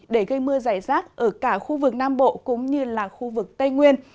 để gây mưa dày rác ở cả khu vực nam bộ cũng như là khu vực tây nguyên